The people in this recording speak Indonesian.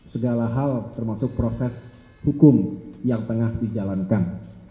segala hal termasuk proses hukum yang tengah dijalankan